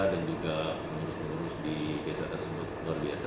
dan juga menerus menerus di desa tersebut luar biasa